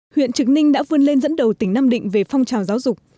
huyện trực ninh đã vươn lên dẫn đầu tỉnh nam định về phong trào giáo dục